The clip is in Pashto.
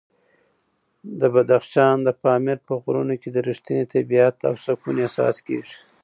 د بدخشان د پامیر په غرونو کې د رښتیني طبیعت او سکون احساس کېږي.